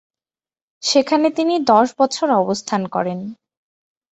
সেখানে তিনি দশ বছর অবস্থান করেন।